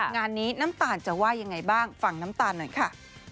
งานนี้น้ำตาลจะว่ายังไงบ้างฟังน้ำตาลหน่อยค่ะ